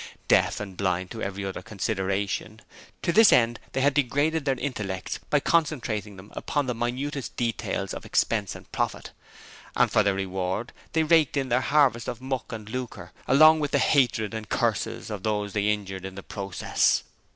Deaf and blind to every other consideration, to this end they had degraded their intellects by concentrating them upon the minutest details of expense and profit, and for their reward they raked in their harvest of muck and lucre along with the hatred and curses of those they injured in the process.